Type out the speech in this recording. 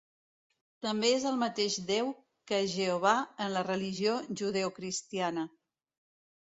També és el mateix Déu que Jehovà en la religió judeocristiana.